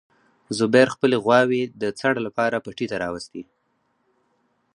زبیر خپلې غواوې د څړ لپاره پټي ته راوستې.